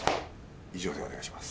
以上でお願いします。